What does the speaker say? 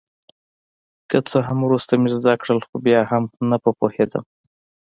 که څه هم وروسته مې زده کړل خو بیا هم نه په پوهېدم.